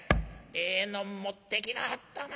ええのん持ってきなはったな。